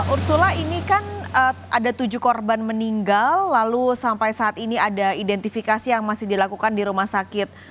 ursula ini kan ada tujuh korban meninggal lalu sampai saat ini ada identifikasi yang masih dilakukan di rumah sakit